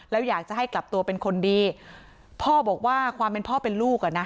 แล้วอยากจะให้กลับตัวเป็นคนดีพ่อบอกว่าความเป็นพ่อเป็นลูกอ่ะนะ